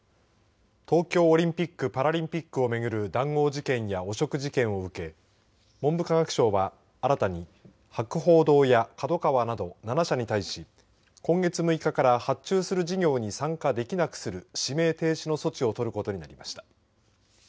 東京オリンピック・パラリンピックを巡る談合事件や汚職事件を受け文部科学省は新たに博報堂やＫＡＤＯＫＡＷＡなど７社に対し今月６日から発注する事業に参加できなくする指名停止の措置を取ることになりました。